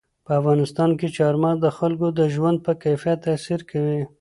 په افغانستان کې چار مغز د خلکو د ژوند په کیفیت تاثیر کوي.